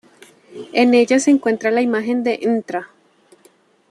En ella se encuentra la imagen de Ntra.